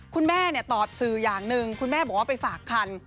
คุณแม่ตอบสื่ออย่างหนึ่งคุณแม่บอกว่าไปฝากคัน